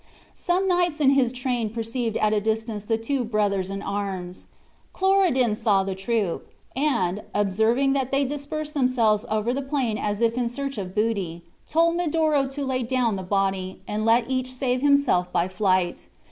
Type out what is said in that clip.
Some knights in his train perceived at a distance the two brothers in arms. Cloridan saw the troop, and, observing that they dispersed themselves over the plain as if in search of booty, told Medoro to lay down the body, and let each save himself by flight.